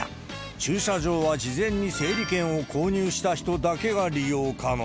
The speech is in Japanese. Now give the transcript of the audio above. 駐車場は事前に整理券を購入した人だけが利用可能。